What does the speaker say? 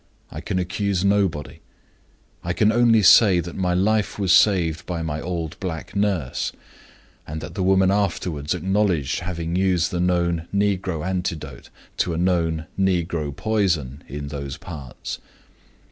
I can accuse nobody. I can only say that my life was saved by my old black nurse; and that the woman afterward acknowledged having used the known negro antidote to a known negro poison in those parts.